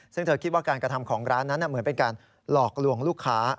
ซึ่งเธอคิดว่าการกระทำของร้านนั้นเหมือนเป็นการหลอกลวงลูกค้า